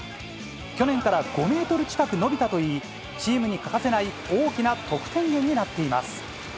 去年から５メートル近く伸びたといい、チームに欠かせない大きな得点力になっています。